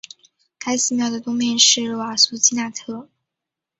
该寺庙的东面是瓦苏基纳特。